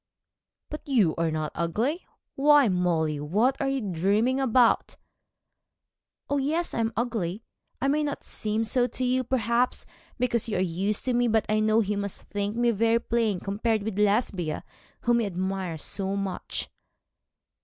'But you are not ugly. Why, Molly, what are you dreaming about?' 'Oh, yes, I am ugly. I may not seem so to you, perhaps, because you are used to me, but I know he must think me very plain compared with Lesbia, whom he admires so much.'